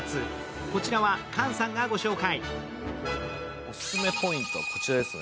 こちらは菅さんがご紹介。